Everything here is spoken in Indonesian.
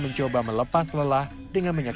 satu tahun sekali ini ya